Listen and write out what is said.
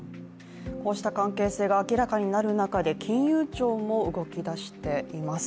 こうした関係性が明らかになる中で金融庁も動きだしています。